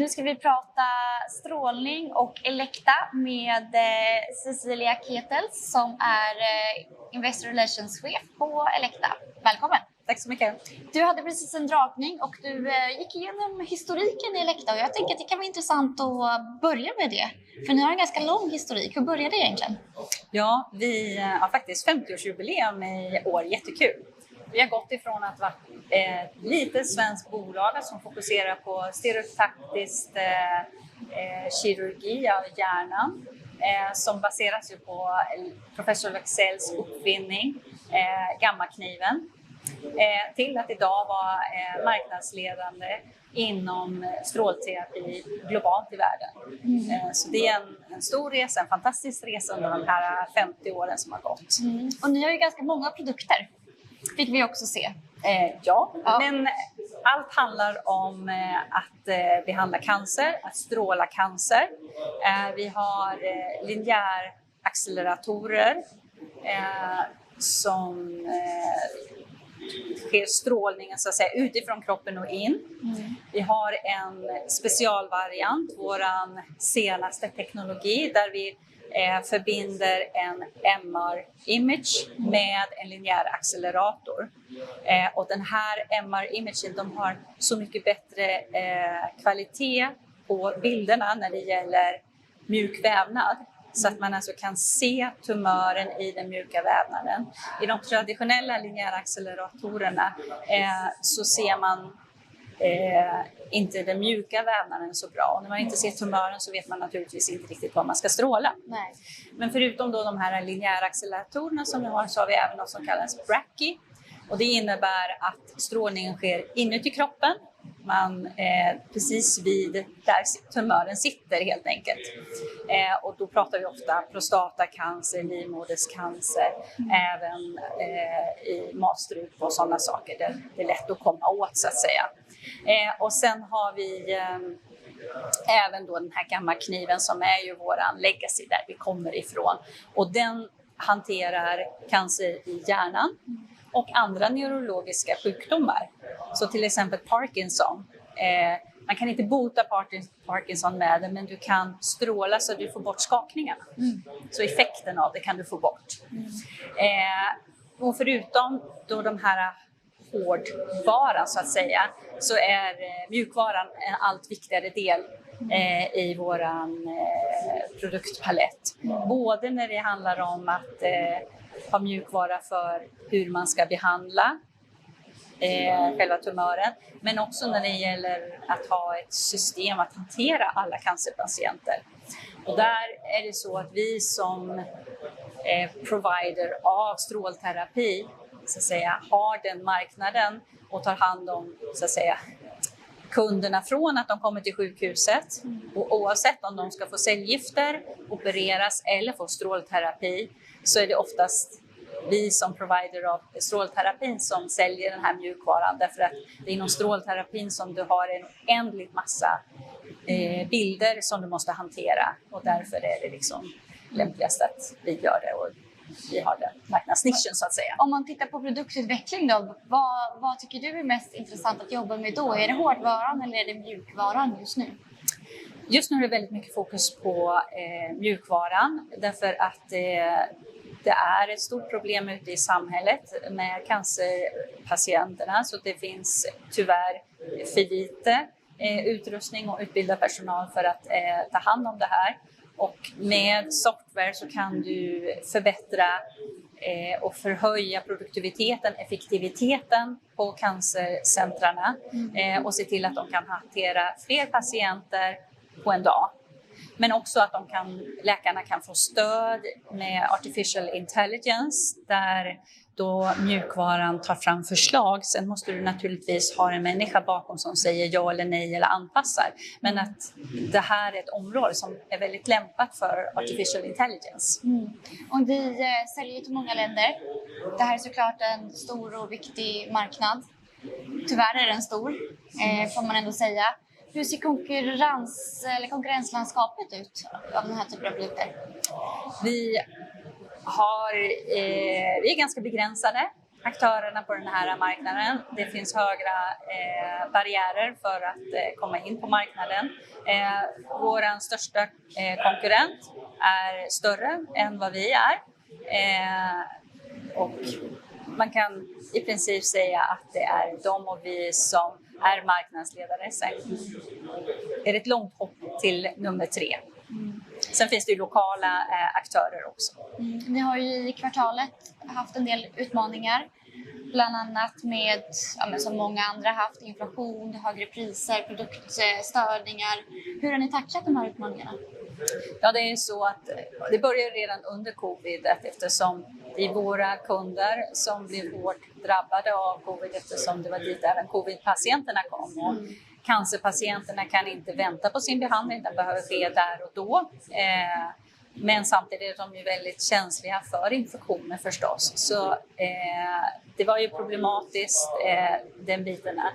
Nu ska vi prata strålning och Elekta med Cecilia Ketels som är Investor Relations-chef på Elekta. Välkommen. Tack så mycket. Du hade precis en dragning och du gick igenom historiken i Elekta och jag tänker att det kan vara intressant att börja med det. För ni har en ganska lång historik. Hur började det egentligen? Ja, vi har faktiskt 50-årsjubileum i år. Jättekul. Vi har gått ifrån att vara ett litet svenskt bolag som fokuserar på stereotaktisk kirurgi av hjärnan, som baseras ju på professor Leksells uppfinning, Gammakniven, till att i dag vara marknadsledande inom strålterapi globalt i världen. Det är en stor resa, en fantastisk resa under de här 50 åren som har gått. Ni har ju ganska många produkter, fick vi också se. Ja, men allt handlar om att behandla cancer, att stråla cancer. Vi har linjäracceleratorer, som sker strålningen så att säga utifrån kroppen och in. Vi har en specialvariant, vår senaste teknologi, där vi förbinder en MR imager med en linjäraccelerator. Den här MR imager, de har så mycket bättre kvalitet på bilderna när det gäller mjuk vävnad så att man alltså kan se tumören i den mjuka vävnaden. I de traditionella linjäracceleratorerna så ser man inte den mjuka vävnaden så bra. När man inte ser tumören så vet man naturligtvis inte riktigt var man ska stråla. Nej. Förutom då de här linjäracceleratorerna som vi har så har vi även något som kallas Brachy. Det innebär att strålningen sker inuti kroppen. Man precis vid där tumören sitter helt enkelt. Då pratar vi ofta prostatacancer, livmodercancer, även i matstrup och sådana saker. Det är lätt att komma åt så att säga. Sen har vi även då den här Gammakniven som är ju vår legacy, där vi kommer ifrån. Den hanterar cancer i hjärnan och andra neurologiska sjukdomar. Till exempel Parkinson. Man kan inte bota Parkinson med den, men du kan stråla så du får bort skakningarna. Effekten av det kan du få bort. Förutom då de här hårdvaran så att säga, så är mjukvaran en allt viktigare del i våran produktpalett. Både när det handlar om att ha mjukvara för hur man ska behandla, själva tumören, men också när det gäller att ha ett system att hantera alla cancerpatienter. Där är det så att vi som provider av strålterapi så att säga har den marknaden och tar hand om så att säga kunderna från att de kommer till sjukhuset. Oavsett om de ska få cellgifter, opereras eller få strålterapi, så är det oftast vi som provider av strålterapin som säljer den här mjukvaran. Därför att det är inom strålterapin som du har en oändligt massa, bilder som du måste hantera och därför är det liksom lämpligast att vi gör det och vi har den marknadsnichen så att säga. Om man tittar på produktutveckling då, vad tycker du är mest intressant att jobba med då? Är det hårdvaran eller är det mjukvaran just nu? Just nu är det väldigt mycket fokus på mjukvaran. Därför att det är ett stort problem ute i samhället med cancerpatienterna. Så det finns tyvärr för lite utrustning och utbildad personal för att ta hand om det här. Och med software så kan du förbättra och förhöja produktiviteten, effektiviteten på cancercentrarna och se till att de kan hantera fler patienter på en dag. Men också att de kan, läkarna kan få stöd med artificial intelligence, där då mjukvaran tar fram förslag. Sen måste du naturligtvis ha en människa bakom som säger ja eller nej eller anpassar. Men att det här är ett område som är väldigt lämpat för artificial intelligence. Ni säljer ju till många länder. Det här är så klart en stor och viktig marknad. Tyvärr är den stor, får man ändå säga. Hur ser konkurrens eller konkurrenslandskapet ut av den här typen av produkter? Vi är ganska begränsade aktörer på den här marknaden. Det finns höga barriärer för att komma in på marknaden. Våran största konkurrent är större än vad vi är. Och man kan i princip säga att det är de och vi som är marknadsledare. Det är ett långt hopp till nummer tre. Det finns ju lokala aktörer också. Ni har ju i kvartalet haft en del utmaningar, bland annat med, ja men som många andra haft, inflation, högre priser, produktstörningar. Hur har ni tacklat de här utmaningarna? Det är ju så att det började redan under COVID eftersom det är våra kunder som blev hårt drabbade av COVID eftersom det var dit även COVID-patienterna kom. Cancerpatienterna kan inte vänta på sin behandling. Den behöver ske där och då. Samtidigt är de ju väldigt känsliga för infektioner förstås. Det var ju problematiskt den biten där.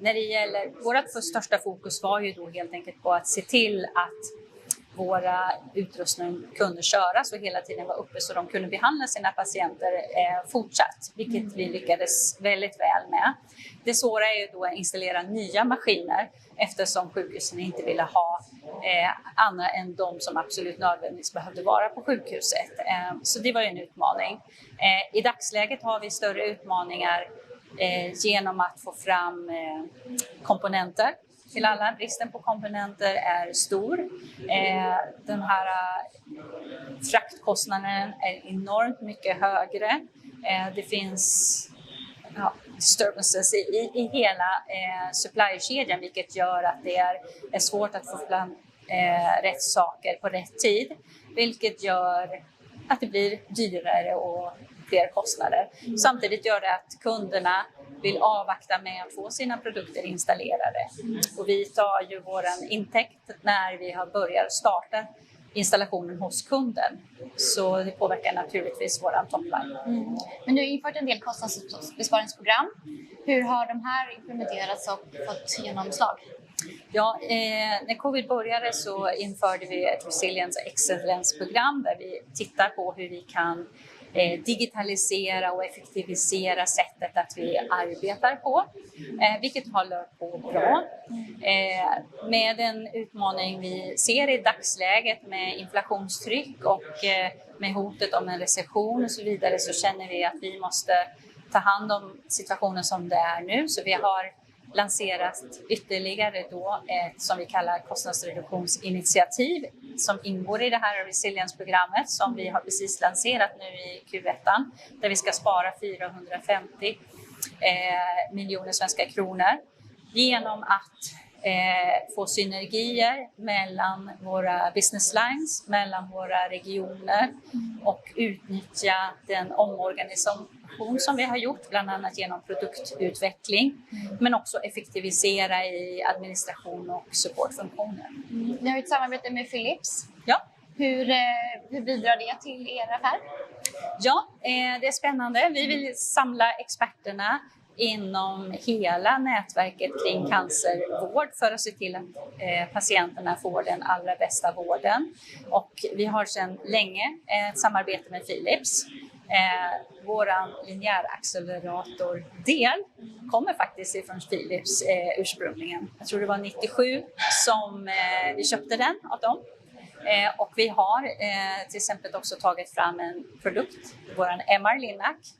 När det gäller, vårt största fokus var ju då helt enkelt på att se till att vår utrustning kunde köras och hela tiden var uppe så de kunde behandla sina patienter, fortsatt, vilket vi lyckades väldigt väl med. Det svåra är ju då att installera nya maskiner eftersom sjukhusen inte ville ha, andra än de som absolut nödvändigtvis behövde vara på sjukhuset. Det var ju en utmaning. I dagsläget har vi större utmaningar, genom att få fram komponenter till alla. Bristen på komponenter är stor. Den här fraktkostnaden är enormt mycket högre. Det finns störrelser i hela supplykedjan, vilket gör att det är svårt att få fram rätt saker på rätt tid, vilket gör att det blir dyrare och fler kostnader. Samtidigt gör det att kunderna vill avvakta med att få sina produkter installerade. Och vi tar ju vår intäkt när vi har börjat starta installationen hos kunden. Det påverkar naturligtvis vår topplinje. Ni har infört en del kostnadsbesparingsprogram. Hur har de här implementerats och fått genomslag? Ja, när COVID började så införde vi ett Resilience Excellence program där vi tittar på hur vi kan digitalisera och effektivisera sättet att vi arbetar på, vilket har gått bra. Med den utmaning vi ser i dagsläget med inflationstryck och med hotet om en recession och så vidare, så känner vi att vi måste ta hand om situationen som det är nu. Vi har lanserat ytterligare då ett som vi kallar kostnadsreduktionsinitiativ som ingår i det här Resilience Excellence-programmet som vi har precis lanserat nu i Q1, där vi ska spara SEK 450 million. Genom att få synergier mellan våra business lines, mellan våra regioner och utnyttja den omorganisation som vi har gjort, bland annat genom produktutveckling, men också effektivisera i administration och supportfunktioner. Ni har ett samarbete med Philips. Ja. Hur bidrar det till er affär? Ja, det är spännande. Vi vill samla experterna inom hela nätverket kring cancervård för att se till att patienterna får den allra bästa vården. Vi har sedan länge ett samarbete med Philips. Våran linjäracceleratordel kommer faktiskt ifrån Philips ursprungligen. Jag tror det var 1997 som vi köpte den av dem. Vi har till exempel också tagit fram en produkt, vår MR-Linac,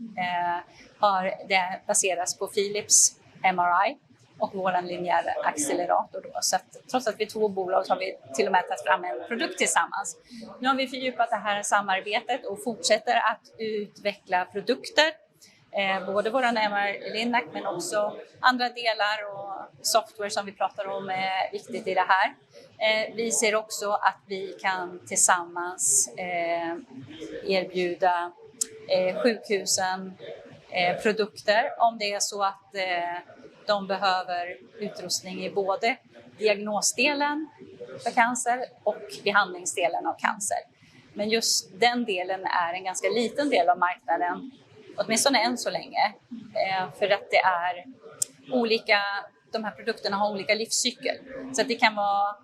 det baseras på Philips MRI och vår linjäraccelerator då. Att trots att vi är två bolag har vi till och med tagit fram en produkt tillsammans. Nu har vi fördjupat det här samarbetet och fortsätter att utveckla produkter. Både vår MR-Linac men också andra delar och software som vi pratar om är viktigt i det här. Vi ser också att vi kan tillsammans erbjuda sjukhusen produkter om det är så att de behöver utrustning i både diagnosdelen för cancer och behandlingsdelen av cancer. Men just den delen är en ganska liten del av marknaden, åtminstone än så länge, för att det är olika, de här produkterna har olika livscykler. Så att det kan vara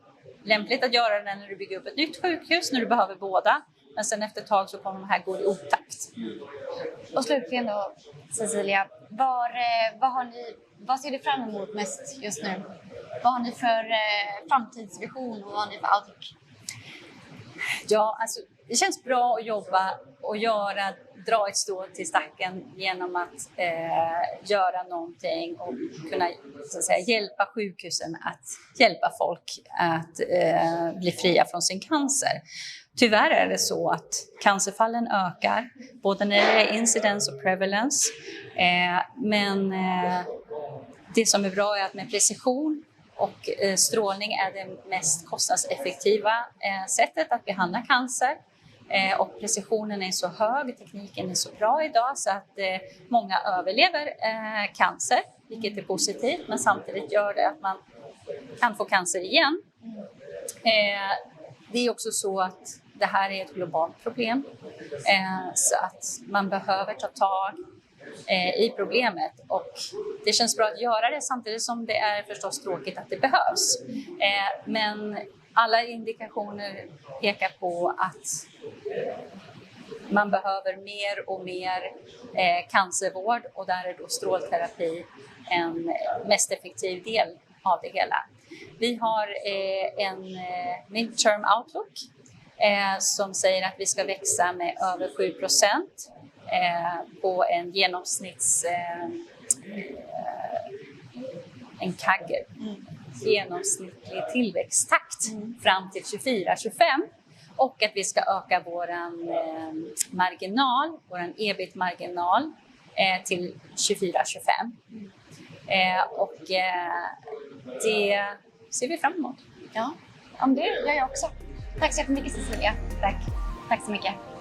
lämpligt att göra det när du bygger upp ett nytt sjukhus, när du behöver båda. Men sen efter ett tag så kommer de här gå i otakt. Slutligen då Cecilia, vad ser du fram emot mest just nu? Vad har ni för framtidsvision och vad har ni för outlook? Ja, alltså, det känns bra att jobba och göra, dra ett strå till stacken genom att, göra någonting och kunna, så att säga, hjälpa sjukhusen att hjälpa folk att, bli fria från sin cancer. Tyvärr är det så att cancerfallen ökar, både när det är incidence och prevalence. Det som är bra är att med precision och strålning är det mest kostnadseffektiva sättet att behandla cancer. Precisionen är så hög, tekniken är så bra i dag så att många överlever cancer, vilket är positivt, men samtidigt gör det att man kan få cancer igen. Det är också så att det här är ett globalt problem, så att man behöver ta tag i problemet och det känns bra att göra det samtidigt som det är förstås tråkigt att det behövs. Alla indikationer pekar på att man behöver mer och mer cancervård och där är då strålterapi en mest effektiv del av det hela. Vi har en midterm outlook som säger att vi ska växa med över 7% en CAGR, genomsnittlig tillväxttakt fram till 2024, 2025 och att vi ska öka vår marginal, vår EBIT-marginal till 2024, 2025. Det ser vi fram emot. Ja, om det gör jag också. Tack så jättemycket, Cecilia. Tack. Tack så mycket.